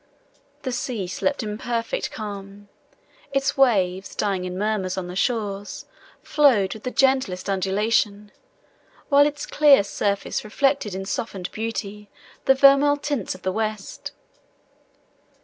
The sea slept in a perfect calm; its waves, dying in murmurs on the shores, flowed with the gentlest undulation, while its clear surface reflected in softened beauty the vermeil tints of the west.